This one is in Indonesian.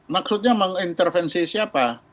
maksudnya mengintervensi siapa